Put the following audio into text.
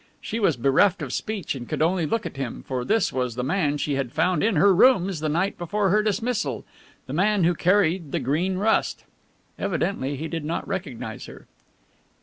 She was bereft of speech and could only look at him, for this was the man she had found in her rooms the night before her dismissal the man who carried the Green Rust. Evidently he did not recognize her.